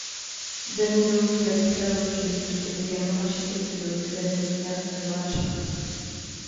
Danilo Vladisavljević est également l'architecte de l'hôpital militaire de Vračar.